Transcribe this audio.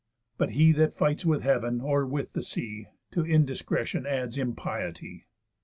But he that fights with heav'n, or with the sea, To indiscretion adds impiety."